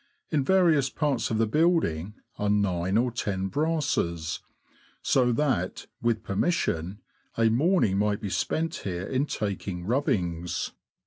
In various parts of the building are nine or ten brasses ; so that (with permission) a morning might be spent here in taking rubbings."